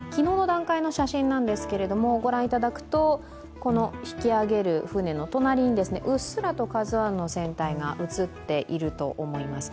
昨日の段階の写真なんですけれども引き揚げる船の隣にうっすらと「ＫＡＺＵⅠ」の船体が映っていると思います。